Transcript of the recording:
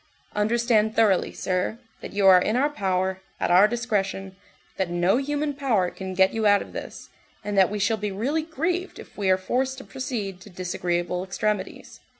"Understand thoroughly, sir, that you are in our power, at our discretion, that no human power can get you out of this, and that we shall be really grieved if we are forced to proceed to disagreeable extremities.